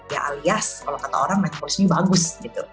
ya alias kalau kata orang metabolisme bagus